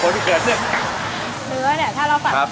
ขอบคุณครับ